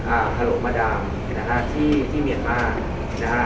อ่าฮาโหลมาดามนะฮะที่ที่เมียมานะฮะ